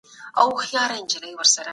ښه نوم ګټل ډېر ګران کار دی.